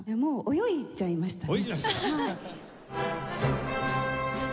泳いじゃいましたか。